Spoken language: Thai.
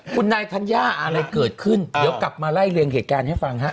คุณนายธัญญาอะไรเกิดขึ้นเดี๋ยวกลับมาไล่เรียงเหตุการณ์ให้ฟังฮะ